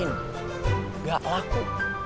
nih ga laku